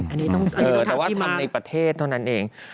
อันนี้ต้องทำแต่ว่าทำในประเทศเท่านั้นเอง